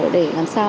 để làm sao